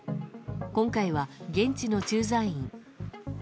今回は、現地の駐在員。